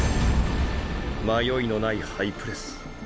迷いのないハイプレス。